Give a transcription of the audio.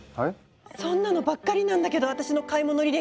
そんなのばっかりなんだけど私の買い物履歴。